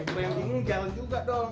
lo yang bingung jalan juga dong